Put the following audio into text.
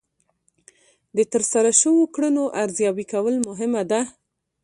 د ترسره شوو کړنو ارزیابي کول مهمه ده.